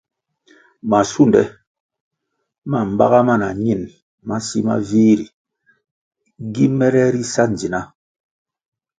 Masunde ma baga ma na ñin masi ma vih ri gi mere ri sa ndzina.